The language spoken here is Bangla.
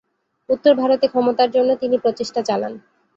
উত্তর ভারতে ক্ষমতার জন্য তিনি প্রচেষ্টা চালান।